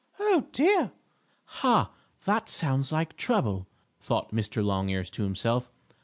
Oh, dear!" "Ha! That sounds like trouble!" thought Mr. Longears to himself.